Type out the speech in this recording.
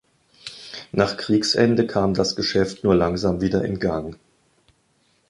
Nach Kriegsende kam das Geschäft nur langsam wieder in Gang.